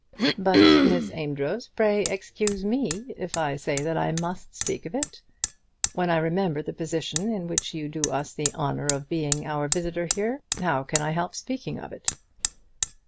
"But, Miss Amedroz, pray excuse me if I say that I must speak of it. When I remember the position in which you do us the honour of being our visitor here, how can I help speaking of it?"